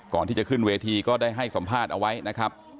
ก่อนที่จะขึ้นเวทีก็ได้ให้สัมภาษณ์เอาไว้นะครับ